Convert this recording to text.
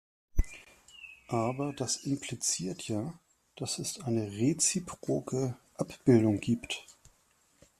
Aber das impliziert ja, dass es eine reziproke Abbildung gibt.